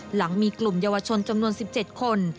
หลังมีกลุ่มเยาวชนจำนวน๑๗คน